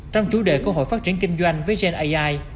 trong chủ đề cơ hội phát triển kinh doanh với gen ai